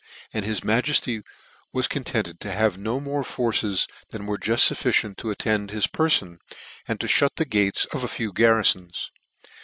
and his majefty was contented to have no more forces than were juft fufficient to attend hisperfon, and fhut the gates of a few garrifons.